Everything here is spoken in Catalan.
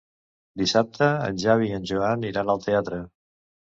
Dissabte en Xavi i en Joan iran al teatre.